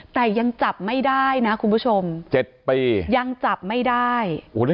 แต่ยังจับไม่ได้นะคุณผู้ชม๗ปียังจับไม่ได้